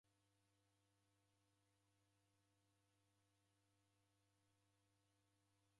Koka na ngolo ilue sa wu'siri